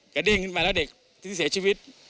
เด้งขึ้นมาแล้วเด็กที่เสียชีวิต